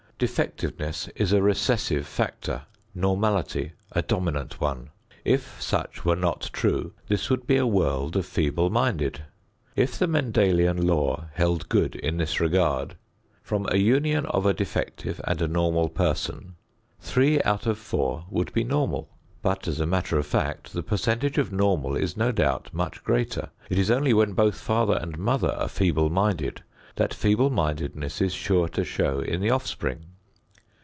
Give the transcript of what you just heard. Defectiveness is a recessive factor; normality a dominant one. If such were not true, this would be a world of feeble minded. If the Mendelian law held good in this regard, from a union of a defective and a normal person, three out of four would be normal, but as a matter of fact, the percentage of normal is no doubt much greater. It is only when both father and mother are feeble minded that feeble mindedness is sure to show in the offspring.